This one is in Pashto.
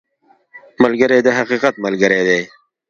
ملګری د حقیقت ملګری دی